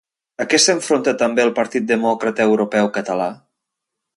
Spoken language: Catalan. A què s'enfronta també el Partit Demòcrata Europeu Català?